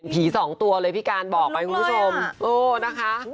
สองตัวเลยพี่การบอกไปคุณผู้ชมโอ้นะคะ